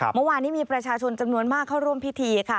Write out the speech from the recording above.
เมื่อวานนี้มีประชาชนจำนวนมากเข้าร่วมพิธีค่ะ